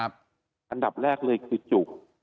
อันดับแรกเลยคือจุก